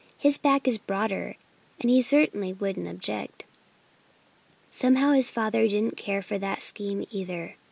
"His back is broader. And he certainly wouldn't object." Somehow his father didn't care for that scheme either.